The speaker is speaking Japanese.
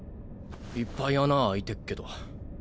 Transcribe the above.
いっぱい穴開いてっけど。